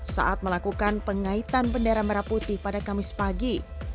saat melakukan pengaitan bendera merah putih pada kamis pagi